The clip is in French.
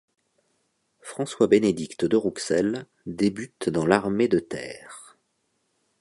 François-Bénédict de Rouxel débute dans l'armée de terre.